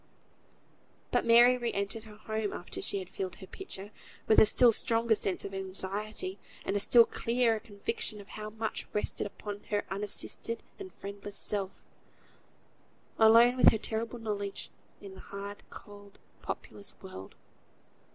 But Mary re entered her home after she had filled her pitcher, with a still stronger sense of anxiety, and a still clearer conviction of how much rested upon her unassisted and friendless self, alone with her terrible knowledge, in the hard, cold, populous world.